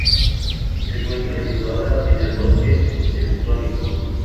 Se encuentra situada en el Bosque Teutónico.